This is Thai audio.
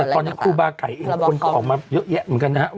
แต่ตอนนี้ครูบาไก่เองคนก็ออกมาเยอะแยะเหมือนกันนะครับ